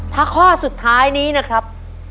ถ้าข้อสุดท้ายนี้นะครับ